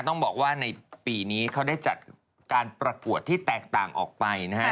ต้องบอกว่าในปีนี้เขาได้จัดการประกวดที่แตกต่างออกไปนะฮะ